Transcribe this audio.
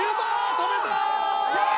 止めた！